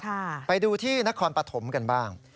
ไปดูที่นครปฐมกันบ้าง